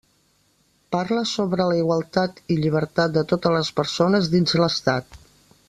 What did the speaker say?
Parla sobre la igualtat i llibertat de totes les persones dins l'estat.